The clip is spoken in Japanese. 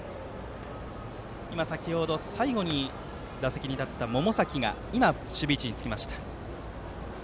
先程、最後に打席に立った百崎が今、守備位置につきました。